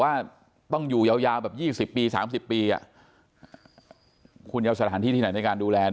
ว่าต้องอยู่ยาวยาวแบบ๒๐ปี๓๐ปีคุณจะเอาสถานที่ที่ไหนในการดูแล